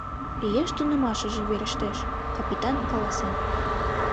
— Ияш тунемашыже верештеш, — капитан каласен.